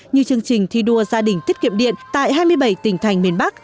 như chương trình thi đua gia đình tiết kiệm điện tại hai mươi bảy tỉnh thành miền bắc